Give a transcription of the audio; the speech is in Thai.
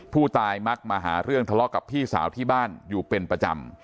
มักมาหาเรื่องทะเลาะกับพี่สาวที่บ้านอยู่เป็นประจำ